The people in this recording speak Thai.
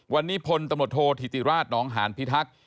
วันนี้พลตำรวจโทษธิติราชนองหานพิทักษ์